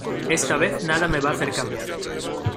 esta vez nada me va a hacer cambiar.